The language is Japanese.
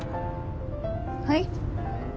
はい？